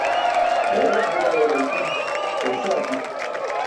Ġayrat bila, waliikin paysa api.